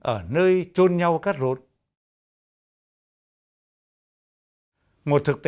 một thực tế đáng mừng là các năm gần đây ngày càng có nhiều người việt nam sinh sống ở nước ngoài